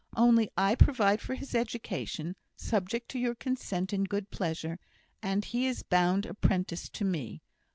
Only I provide for his education, subject to your consent and good pleasure, and he is bound apprentice to me.